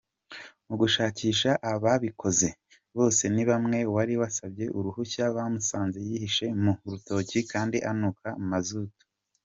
Mu gushakisha ababikoze, Bosenihamwe wari wasabye uruhusa bamusanze yihishe mu rutoki kandi anuka mazutu.